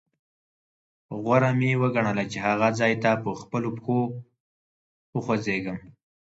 غوره مې وګڼله چې هغه ځاې ته په خپلو پښو وخوځېږم.